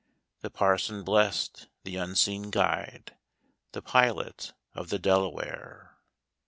The parson blessed the Unseen Guide, The Pilot of the Delaware.